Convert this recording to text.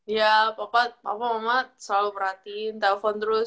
iya papa papa mama selalu perhatiin telepon terus